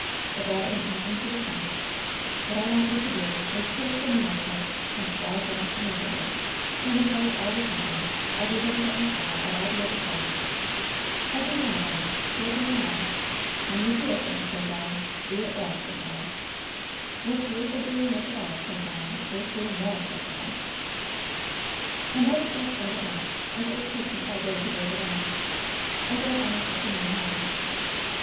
But that ain't nothing to the point ! What I want you to do is to take the mule cart and drive round the neighborhood, and invite all the company — everybody that we saw at all the other parties ! Every one of 'em — childun and all ! When you do a thing, sez I, do it well, sez I! What's worth a doing of at all, sez I, is worth doing well, sez 1 1" ^'I might as well start at once, as it will take me all day to go the rounds. I'll go harness up the mule now."